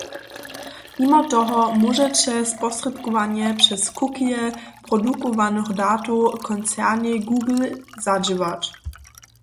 Nimo toho móžeće sposprědkowanju přez cookieje produkowanych datow koncernej Google zadźěwać.